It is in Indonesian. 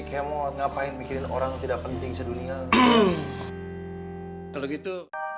saya mau ngapain bikin orang tidak penting sedunia kalau gitu